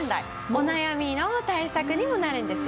お悩みの対策にもなるんですよね。